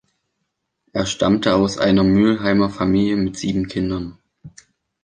Er stammte aus einer Mülheimer Familie mit sieben Kindern.